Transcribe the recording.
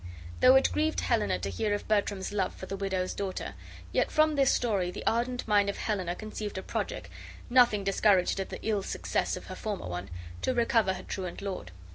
Though it grieved Helena to hear of Bertram's love for the widow's daughter, yet from this story the ardent mind of Helena conceived a project (nothing discouraged at the ill success of her former one) to recover her truant lord.